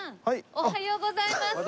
おはようございます。